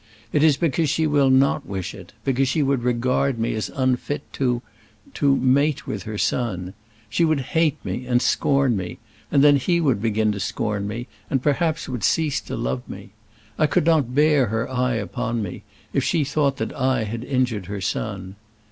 It is because she will not wish it; because she would regard me as unfit to to to mate with her son. She would hate me, and scorn me; and then he would begin to scorn me, and perhaps would cease to love me. I could not bear her eye upon me, if she thought that I had injured her son.